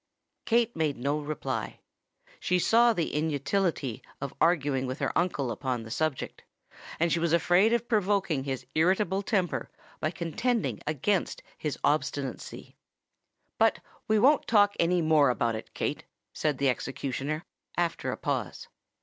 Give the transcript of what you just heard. Kate made no reply: she saw the inutility of arguing with her uncle upon the subject; and she was afraid of provoking his irritable temper by contending against his obstinacy. "But we won't talk any more about it, Kate," said the executioner, after a pause.